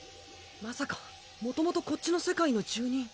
まさかもともとこっちの世界の住人。